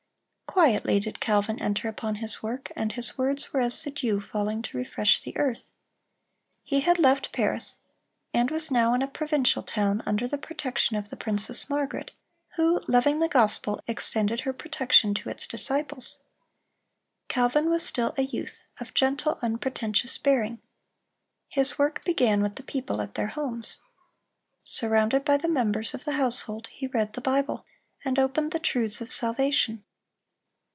(334) Quietly did Calvin enter upon his work, and his words were as the dew falling to refresh the earth. He had left Paris, and was now in a provincial town under the protection of the princess Margaret, who, loving the gospel, extended her protection to its disciples. Calvin was still a youth, of gentle, unpretentious bearing. His work began with the people at their homes. Surrounded by the members of the household, he read the Bible, and opened the truths of salvation.